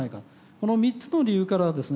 この３つの理由からですね